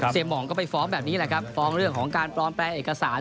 หมองก็ไปฟ้องแบบนี้แหละครับฟ้องเรื่องของการปลอมแปลงเอกสาร